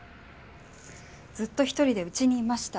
ずっと１人で家にいました。